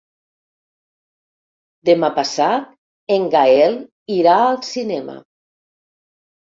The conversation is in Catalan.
Demà passat en Gaël irà al cinema.